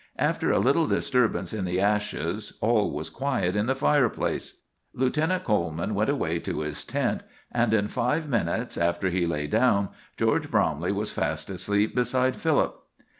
After a little disturbance in the ashes all was quiet in the fireplace. Lieutenant Coleman went away to his tent, and in five minutes after he lay down George Bromley was fast asleep beside Philip.